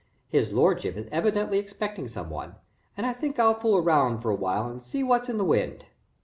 His lordship is evidently expecting some one, and I think I'll fool around for a while and see what's in the wind."